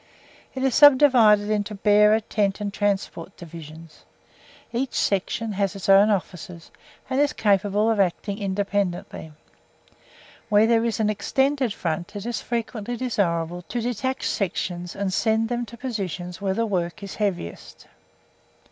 It is subdivided into Bearer, Tent and Transport Divisions. Each section has its own officers, and is capable of acting independently. Where there is an extended front, it is frequently desirable to detach sections and send them to positions where the work is heaviest.